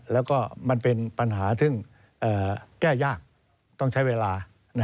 แล้วก็มันเป็นปัญหาซึ่งแก้ยากต้องใช้เวลา